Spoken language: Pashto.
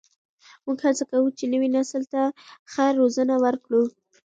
موږ هڅه کوو چې نوي نسل ته ښه روزنه ورکړو.